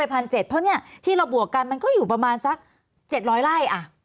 เพราะที่เราบวกกันมันก็อยู่ประมาณสัก๗๐๐ไร่